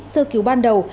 sơ cứu ban đầu